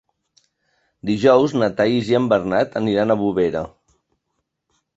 Dijous na Thaís i en Bernat aniran a Bovera.